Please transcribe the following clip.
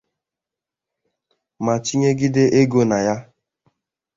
ma tinyegide ego na ya